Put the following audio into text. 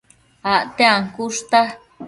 Acte ancushta